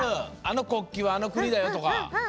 あの国旗はあの国だよとか。